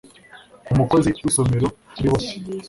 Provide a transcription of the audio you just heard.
Umukozi w’Isomero kuri Bose